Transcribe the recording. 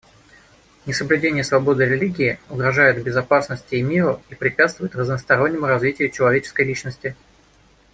Несоблюдение свободы религии угрожает безопасности и миру и препятствует разностороннему развитию человеческой личности.